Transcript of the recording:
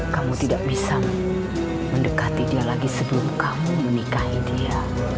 kamu tidak bisa mendekati dia lagi sebelum kamu menikahi dia